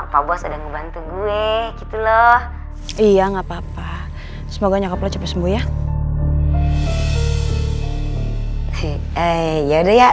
pak bos ada ngebantu gue gitu loh iya nggak papa semoga nyokap lo cepet sembuh ya eh ya udah ya